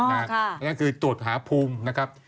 นั่นก็คือตรวจหาภูมิ